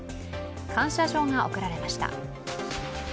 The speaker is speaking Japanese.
感謝状が贈られました。